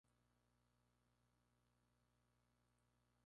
El nombre antiguo de la ciudad es desconocido.